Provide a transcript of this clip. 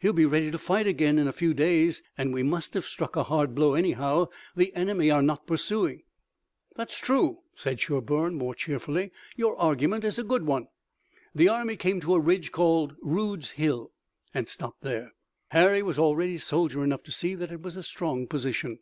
He'll be ready to fight again in a few days, and we must have struck a hard blow anyhow. The enemy are not pursuing." "That's true," said Sherburne more cheerfully. "Your argument is a good one." The army came to a ridge called Rude's Hill and stopped there. Harry was already soldier enough to see that it was a strong position.